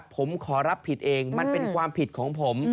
ผมขอรับผิดเองมันเป็นความผิดของผม